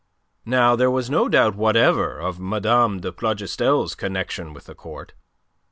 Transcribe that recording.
Now there was no doubt whatever of Mme. de Plougastel's connection with the Court.